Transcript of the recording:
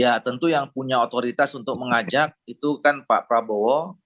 ya tentu yang punya otoritas untuk mengajak itu kan pak prabowo